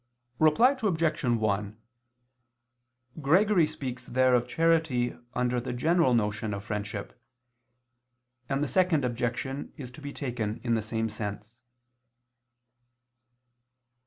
Reply Obj. 1: Gregory speaks there of charity under the general notion of friendship: and the Second Objection is to be taken in the same sense.